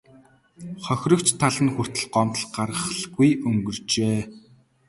Хохирогч тал нь хүртэл гомдол гаргалгүй өнгөрчээ.